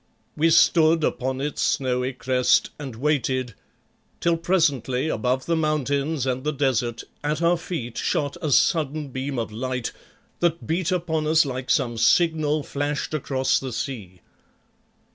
We stood upon its snowy crest and waited, till presently, above the mountains and the desert at our feet shot a sudden beam of light that beat upon us like some signal flashed across the sea.